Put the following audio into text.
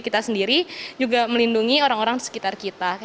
kita sendiri juga melindungi orang orang sekitar kita